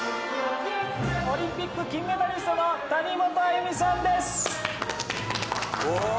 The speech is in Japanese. オリンピック金メダリストの谷本歩実さんです！